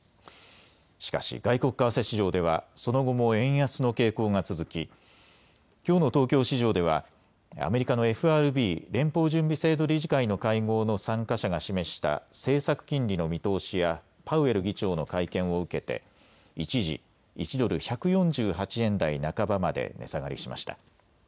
しかし外国為替市場ではその後も円安の傾向が続ききょうの東京市場ではアメリカのＦＲＢ・連邦準備制度理事会の会合の参加者が示した政策金利の見通しやパウエル議長の会見を受けて一時、１ドル１４８円台半ばまで値下がりしました。